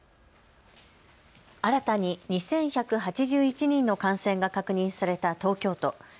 新たに２１８１人の感染が確認された東京都。